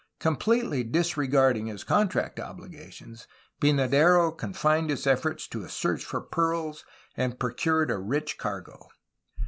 Com pletely disregarding his contract obligations, Pynadero con fined his efforts to a search for pearls, and procured a rich cargo.